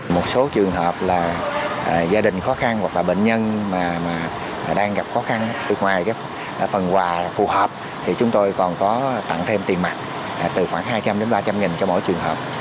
một số trường hợp là gia đình khó khăn hoặc là bệnh nhân mà đang gặp khó khăn ngoài phần quà phù hợp thì chúng tôi còn có tặng thêm tiền mặt từ khoảng hai trăm linh đến ba trăm linh nghìn cho mỗi trường hợp